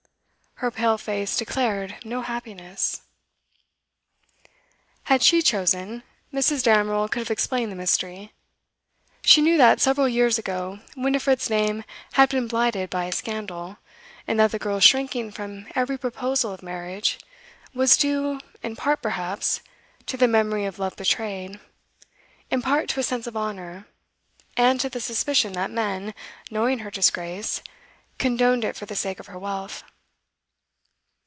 Her pale face declared no happiness. Had she chosen, Mrs. Damerel could have explained the mystery. She knew that, several years ago, Winifred's name had been blighted by a scandal, and that the girl's shrinking from every proposal of marriage was due, in part perhaps, to the memory of love betrayed, in part to a sense of honour, and to the suspicion that men, knowing her disgrace, condoned it for the sake of her wealth.